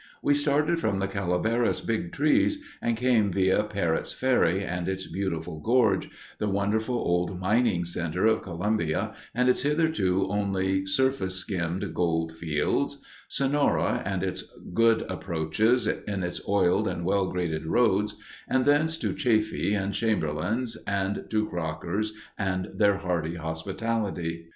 We started from the Calaveras Big Trees and came via Parrots Ferry, and its beautiful gorge—the wonderful old mining center of Columbia, and its hitherto only surface skimmed Gold Fields—Sonora and its good approaches, in its oiled and well graded roads—and thence to Chaffee and Chamberlains and to Crockers and their hearty hospitality.